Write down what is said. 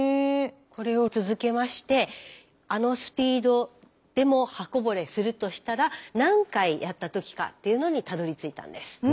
これを続けましてあのスピードでも刃こぼれするとしたら何回やった時かというのにたどりついたんです。